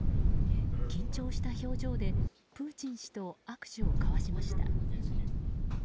緊張した表情でプーチン氏と握手を交わしました。